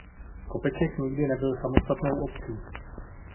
Kopeček nikdy nebyl samostatnou obcí.